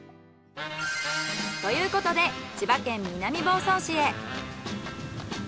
ということで千葉県南房総市へ。